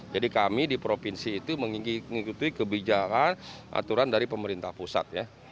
jadi kami di provinsi itu mengikuti kebijakan aturan dari pemerintah pusat ya